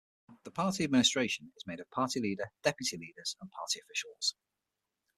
The Party Administration is made of the Party Leader, Deputy Leaders and Party officials.